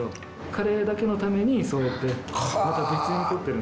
カレーだけのためにそうやってまた別に取ってるんですよ。